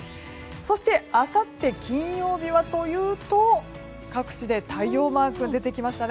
そして、あさって金曜日は各地で太陽マークが出てきました。